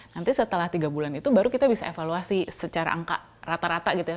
nanti setelah tiga bulan itu baru kita bisa evaluasi secara angka rata rata gitu ya